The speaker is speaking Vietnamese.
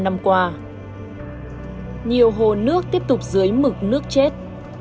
vòng năm năm qua nhiều hồ nước tiếp tục dưới mực nước chết